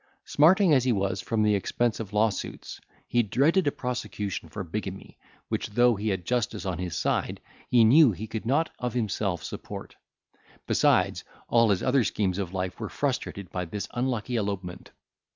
Smarting as he was from the expense of lawsuits, he dreaded a prosecution for bigamy, which, though he had justice on his side, he knew he could not of himself support. Besides, all his other schemes of life were frustrated by this unlucky elopement.